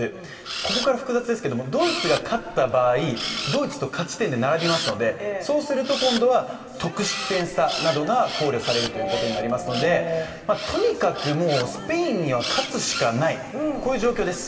ここから複雑ですけども、ドイツが勝った場合、ドイツと勝ち点で並びますのでそうしますと今度は、得失点差などが考慮されるということになりますのでとにかくスペインには勝つしかない、こういう状況です。